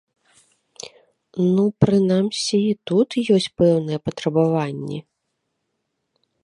Ну, прынамсі і тут ёсць пэўныя патрабаванні.